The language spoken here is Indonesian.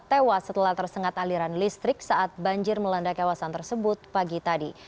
tewas setelah tersengat aliran listrik saat banjir melanda kawasan tersebut pagi tadi